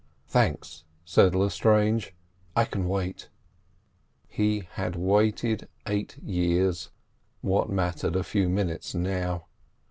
"Thanks," said Lestrange; "I can wait." He had waited eight years, what mattered a few minutes now?